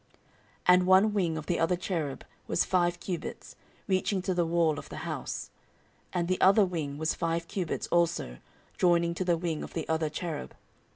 14:003:012 And one wing of the other cherub was five cubits, reaching to the wall of the house: and the other wing was five cubits also, joining to the wing of the other cherub.